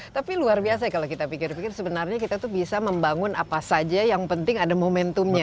tapi luar biasa kalau kita pikir pikir sebenarnya kita tuh bisa membangun apa saja yang penting ada momentumnya